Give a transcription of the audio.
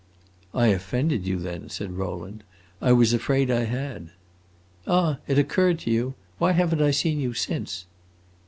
"I offended you, then," said Rowland. "I was afraid I had." "Ah, it occurred to you? Why have n't I seen you since?"